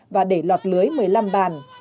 và để lọt lưới một mươi năm bàn